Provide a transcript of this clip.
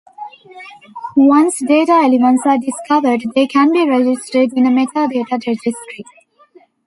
Once data elements are discovered they can be registered in a metadata registry.